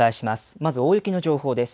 まず大雪の情報です。